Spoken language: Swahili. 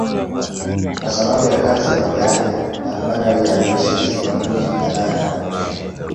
Kwa sababu ya kazi ya baba yake, al-Badawi aliishi katika miji kadhaa tofauti.